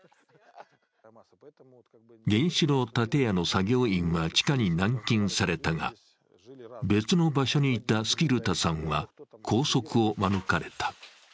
原子炉建屋の作業員は地下に軟禁されたが、別の場所にいたスキルタさんは拘束を免れた。